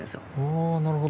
あなるほど。